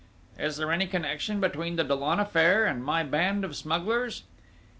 "Is there any connection between the Dollon affair and my band of smugglers?"